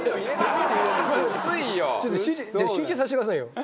集中させてくださいよ。